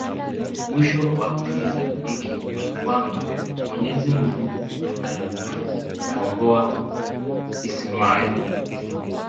mwisho wa kisa hiki ni kwamba MwenyeziMungu alimkomboa Ismail